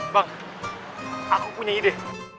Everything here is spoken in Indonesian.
bang aku punya ide